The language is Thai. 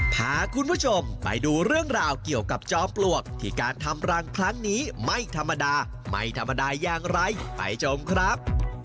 พาคุณผู้ชมไปดูเรื่องราวเกี่ยวกับจอมปลวกที่การทำรังครั้งนี้ไม่ธรรมดาไม่ธรรมดาอย่างไรไปชมครับ